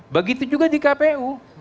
begitu juga di kpu